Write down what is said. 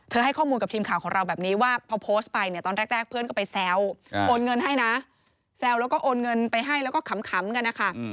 ให้ข้อมูลกับทีมข่าวของเราแบบนี้ว่าพอโพสต์ไปเนี่ยตอนแรกเพื่อนก็ไปแซวโอนเงินให้นะแซวแล้วก็โอนเงินไปให้แล้วก็ขำกันนะคะ